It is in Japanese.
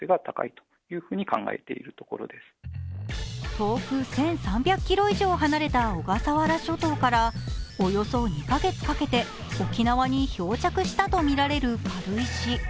遠く１３００ｋｍ以上離れた小笠原諸島からおよそ２カ月かけて沖縄に漂着したとみられる軽石。